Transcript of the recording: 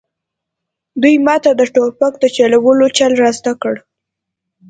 دوی ماته د ټوپک د چلولو چل را زده کړ